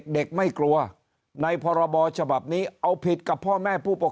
ไม่กลัวในพรบฉบับนี้เอาผิดกับพ่อแม่ผู้ปกครอง